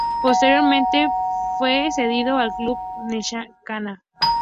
Posteriormente fue cedido al Club Necaxa.